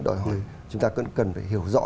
đòi hỏi chúng ta cần phải hiểu rõ